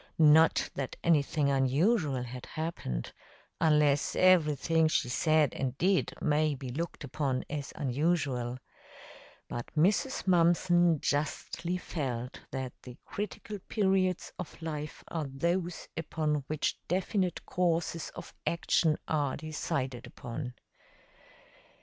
Not that anything unusual had happened, unless everything she said and did may be looked upon as unusual; but Mrs. Mumpson justly felt that the critical periods of life are those upon which definite courses of action are decided upon.